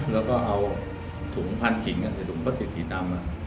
แล้วก็เอาถุงพันขิงกันถุงพังกล้าติฉีดตามด้วย